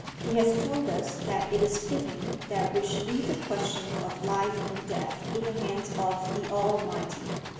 He has told us that it is fitting that we should leave the question of life and death in the hands of the Almighty.